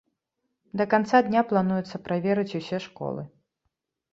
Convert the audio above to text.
Да канца дня плануецца праверыць усе школы.